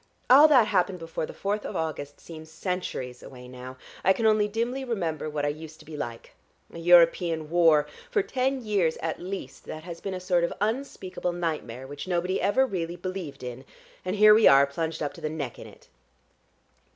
All that happened before the fourth of August seems centuries away now. I can only dimly remember what I used to be like. A European war! For ten years at least that has been a sort of unspeakable nightmare, which nobody ever really believed in, and here we are plunged up to the neck in it."